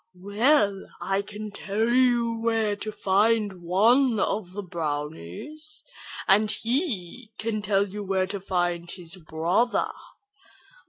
"Well, I can tell you where to find one of the brownies, and he can tell you where to find his brother.